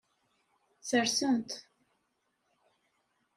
Ssersen-t.